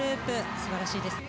すばらしいです。